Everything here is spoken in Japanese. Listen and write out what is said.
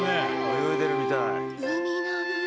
泳いでるみたい。